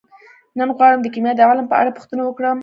نن غواړم د کیمیا د علم په اړه پوښتنې وکړم.